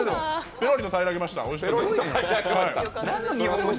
ペロリと平らげました。